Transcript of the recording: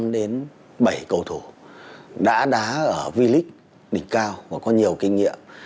năm đến bảy cầu thủ đã đá ở v league đỉnh cao và có nhiều kinh nghiệm